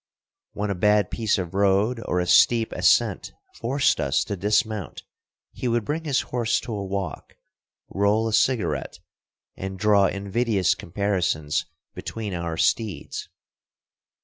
When a bad piece of road or a steep ascent forced us to dismount he would bring his horse to a walk, roll a cigarette, and draw invidious comparisons between our steeds.